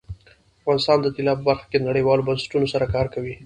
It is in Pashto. افغانستان د طلا په برخه کې نړیوالو بنسټونو سره کار کوي.